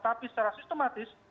tapi secara sistematis